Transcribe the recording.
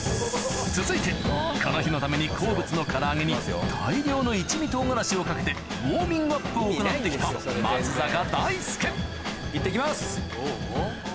続いてこの日のために好物のから揚げに大量の一味唐辛子をかけてウォーミングアップを行って来た松坂大輔行って来ます！